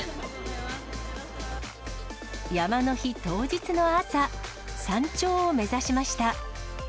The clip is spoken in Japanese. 山の日当日の朝、山頂を目指しました。